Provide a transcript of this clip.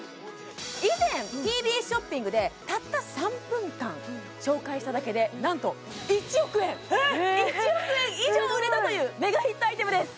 以前ＴＢＳショッピングでたった３分間紹介しただけでなんと１億円１億円以上売れたというメガヒットアイテムです